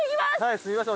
すいません。